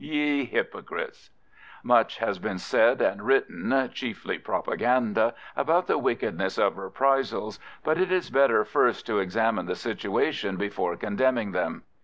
Ye hypocrites! Much has been said and written (chiefly propaganda) about the wickedness of reprisals, but it is better first to examine the situation before condemning them.